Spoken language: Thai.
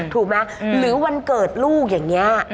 ถูกไหมหรือวันเกิดลูกอย่างนี้